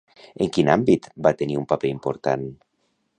En quin àmbit va tenir un paper important?